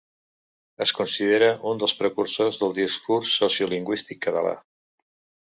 Es considera un dels precursors del discurs sociolingüístic català.